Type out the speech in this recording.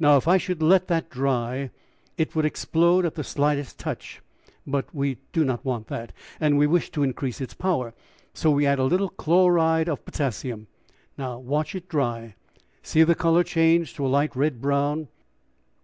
Now, if I should let that dry it would explode at the slightest touch; but we do not want that, and we wish to increase its power, so we add a little chloride of potassium; now watch it dry see the color change to a light red brown.